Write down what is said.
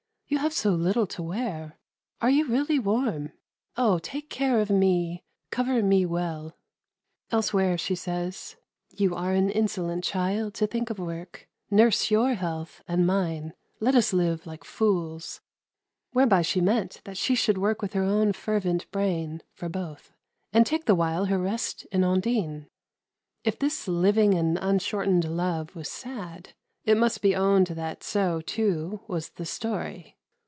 "You have so little to wear are you really warm? Oh, take care of me cover me well." Elsewhere she says, "You are an insolent child to think of work. Nurse your health, and mine. Let us live like fools"; whereby she meant that she should work with her own fervent brain for both, and take the while her rest in Ondine. If this living and unshortened love was sad, it must be owned that so, too, was the story.